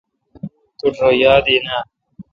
توٹھ رو یاد این اؘ۔